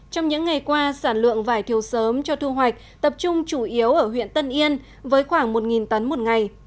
trong những ngày qua sản lượng vải thiều sớm cho thu hoạch tập trung chủ yếu ở huyện tân yên với khoảng một tấn một ngày